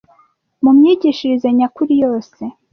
Mu myigishirize nyakuri yose